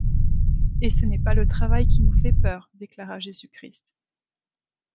Et ce n’est pas le travail qui nous fait peur, déclara Jésus-Christ.